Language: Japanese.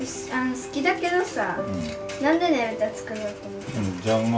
好きだけどさなんでねぶた作ろうと思ったの？